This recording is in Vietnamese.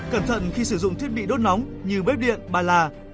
cẩn thận khi sử dụng thiết bị đốt nóng như bếp điện bài là